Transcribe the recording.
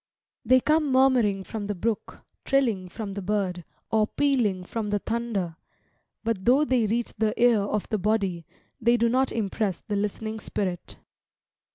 They come murmuring from the brook, trilling from the bird, or pealing from the thunder; but though they reach the ear of the body, they do not impress the listening spirit.